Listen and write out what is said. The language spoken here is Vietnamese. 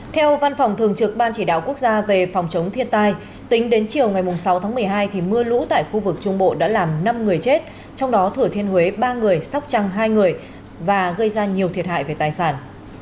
theo văn phòng thường trực ban chỉ đạo quốc gia về phòng chống thiên tai tính đến chiều ngày sáu tháng một mươi hai mưa lũ tại khu vực trung bộ đã làm năm người chết trong đó thừa thiên huế ba người sóc trăng hai người và gây ra nhiều thiệt hại về tài sản